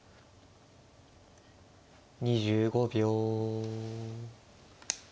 ２５秒。